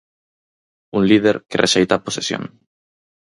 Un líder que rexeita a posesión.